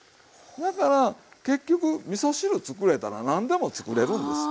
だから結局みそ汁作れたら何でも作れるんですよ。